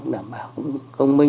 đảm bảo công minh